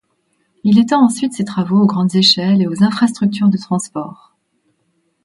Il étend ensuite ses travaux aux grandes échelles et aux infrastructures de transport.